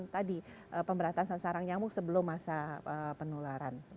tadi pemberantasan sarang nyamuk sebelum masa penularan